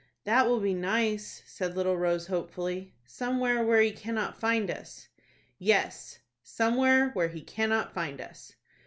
"That will be nice," said little Rose, hopefully, "somewhere where he cannot find us." "Yes, somewhere where he cannot find us."